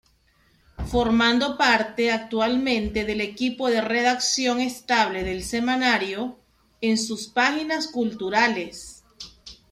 Formando parte actualmente del equipo de redacción estable del semanario, en sus páginas culturales.